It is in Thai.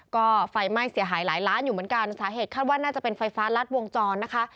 ก็ไฟไหม้เสียหายหลายล้านอยู่เหมือนกันสาเหตุคาดว่าน่าจะเป็นไฟฟ้ารัดวงจรนะคะ